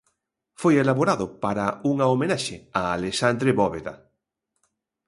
Foi elaborado para unha homenaxe a Alexandre Bóveda.